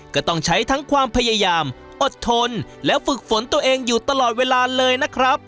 ก็ต้องใช้ทั้งความพยายามอดทนและฝึกฝนตัวเองอยู่ตลอดเวลาเลยนะครับ